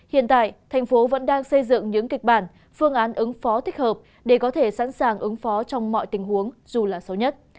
hiện tại thành phố vẫn đang xây dựng những kịch bản phương án ứng phó thích hợp để có thể sẵn sàng ứng phó trong mọi tình huống dù là xấu nhất